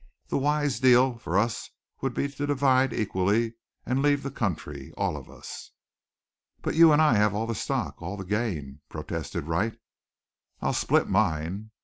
The wise deal for us would be to divide equally and leave the country, all of us." "But you and I have all the stock all the gain," protested Wright. "I'll split mine."